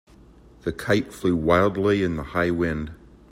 The kite flew wildly in the high wind.